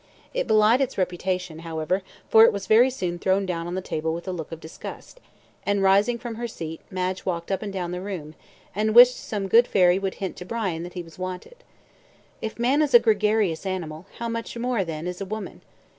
It belied its reputation, however, for it was very soon thrown on the table with a look of disgust, and rising from her seat Madge walked up and down the room, and wished some good fairy would hint to Brian that he was wanted. If man is a gregarious animal, how much more, then, is a woman?